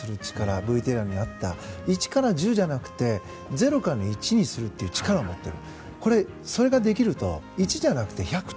ＶＴＲにあった１から１０じゃなくて０から１にする力を持っている。